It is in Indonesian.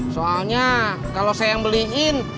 soalnya kalau saya yang beliin